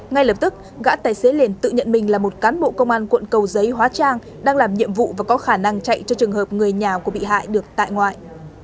ngay lập tức gã tài xế liền tự nhận mình là một cán bộ công an quận cầu giấy hóa trang đang làm nhiệm vụ và có khả năng chạy cho trường hợp người nhà của bị hại được tại ngoại